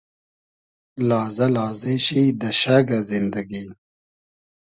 لازۂ لازې شی دۂ شئگۂ زیندئگی